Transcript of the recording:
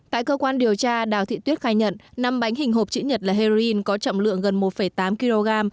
tại cơ quan điều tra đào thị tuyết khai nhận năm bánh hình hộp chữ nhật là heroin có trọng lượng gần một tám kg